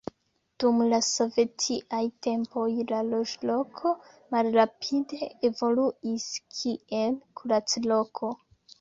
Dum la sovetiaj tempoj la loĝloko malrapide evoluis kiel kurac-loko.